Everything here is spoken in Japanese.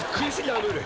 アムール！